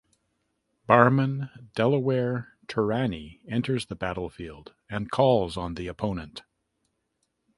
Barman Delaware Turani enters the battlefield and calls on the opponent.